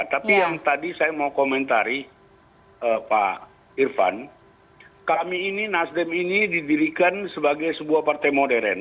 tapi yang tadi saya mau komentari pak irfan kami ini nasdem ini didirikan sebagai sebuah partai modern